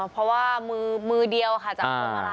เพราะว่ามือเดียวค่ะจับตัวไว้